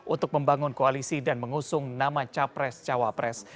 untuk membangun koalisi dan mengusung nama capres cawapres